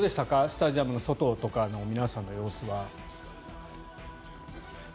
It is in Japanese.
スタジアムの外とかの皆さんの様子は。